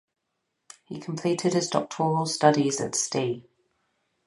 He completed his doctoral studies at Ste.